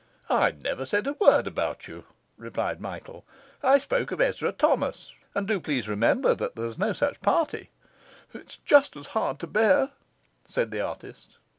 'I never said a word about you,' replied Michael. 'I spoke of Ezra Thomas; and do please remember that there's no such party.' 'It's just as hard to bear,' said the artist.